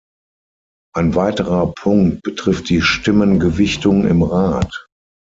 Ein weiterer Punkt betrifft die Stimmengewichtung im Rat.